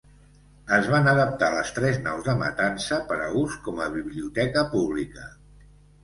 Es van adaptar les tres naus de matança per a ús com a biblioteca pública.